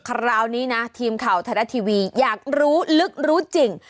คราวนี้นะทีมข่าวไทยรัฐทีวีอยากรู้ลึกรู้จริง